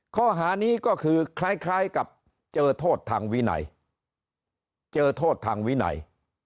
ข้อหานี้ก็คือคล้ายกับเจอโทษทางวินัยเจอโทษทางวินัย